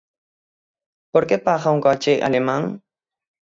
Por que paga un coche alemán?